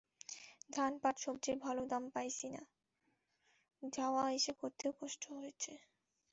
ধান, পাট, সবজির ভালো দাম পাইছি না, যাওয়া-আইসা করতেও কষ্ট হয়ছে।